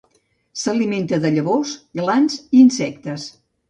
S'alimenta de llavors, glans i insectes.